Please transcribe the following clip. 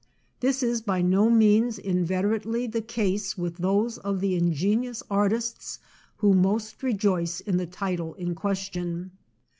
This is by no means inveterately the case witli those of the ingenuous ar tists who most rejoice in the title in ques tion.